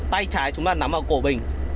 tay cháy chúng ta nắm vào cổ bình